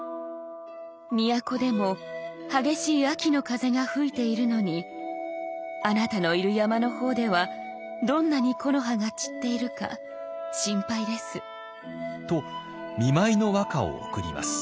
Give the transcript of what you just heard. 「都でも激しい秋の風が吹いているのにあなたのいる山の方ではどんなに木の葉が散っているか心配です」。と見舞いの和歌を贈ります。